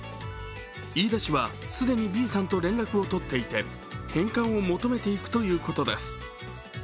飯田市は既にＢさんと連絡を取っていて返還を求めていくということです。